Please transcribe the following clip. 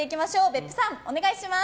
別府さん、お願いします。